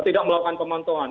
tidak melakukan pemontauan